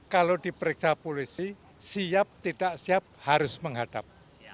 kalau diperiksa polisi siap tidak siap harus menghadap